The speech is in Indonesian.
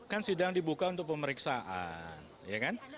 kan sidang dibuka untuk pemeriksaan ya kan